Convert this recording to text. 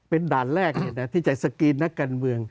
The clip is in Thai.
เป็นด่านแรกที่จะสกรีนนักการเมือง